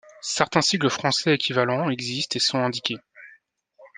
Certains sigles français équivalents existent et sont indiqués.